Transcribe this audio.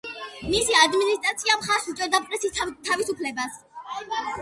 მისი ადმინისტრაცია მხარს უჭერდა პრესის თავისუფლებას.